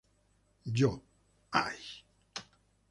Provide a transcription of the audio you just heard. Yo, ¡ay!